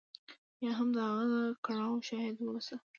یا هم د هغه د کړاو شاهد واوسو.